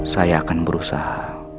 saya akan berusaha